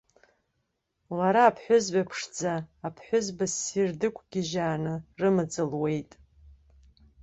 Лара, аԥҳәызба ԥшӡа, аԥҳәызба ссир дықәгьежьааны, рымаҵ луеит.